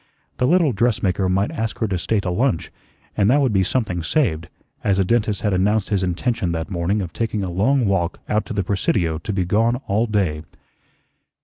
The little dressmaker might ask her to stay to lunch, and that would be something saved, as the dentist had announced his intention that morning of taking a long walk out to the Presidio to be gone all day.